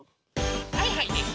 はいはいです。